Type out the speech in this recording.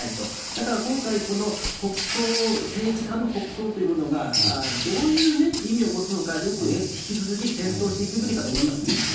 だから今回、この国葬、政治家の国葬というものがどういう意味を持つのか、よく、引き続き検討していくべきだと思いますね。